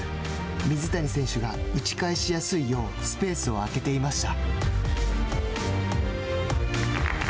水谷選手が打ち返しやすいようスペースを空けていました。